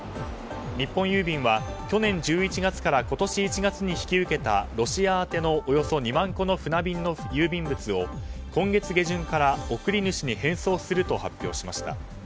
日本郵便は去年１１月から今年１月に引き受けたロシア宛てのおよそ２万個の船便の郵便物を今月下旬から送り主に返送すると発表しました。